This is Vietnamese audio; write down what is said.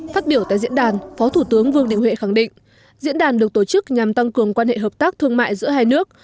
phát biểu tại diễn đàn phó thủ tướng vương đình huệ khẳng định diễn đàn được tổ chức nhằm tăng cường quan hệ hợp tác thương mại giữa hai nước